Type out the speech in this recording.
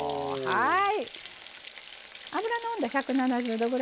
はい。